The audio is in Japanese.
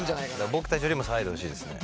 僕たちよりも騒いでほしいですね。